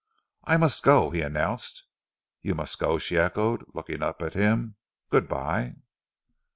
"I must go," he announced. "You must go," she echoed, looking up at him. "Good bye!"